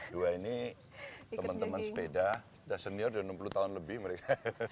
dua ini teman teman sepeda udah senior udah enam puluh tahun lebih mereka